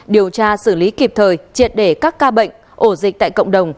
điều tra xử lý kịp thời triệt để các ca bệnh ổ dịch tại cộng đồng